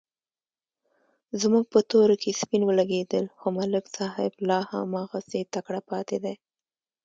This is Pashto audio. زموږ په تورو کې سپین ولږېدل، خو ملک صاحب لا هماغسې تکړه پاتې دی.